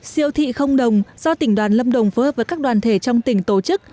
siêu thị không đồng do tỉnh đoàn lâm đồng phối hợp với các đoàn thể trong tỉnh tổ chức